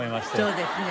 そうですね。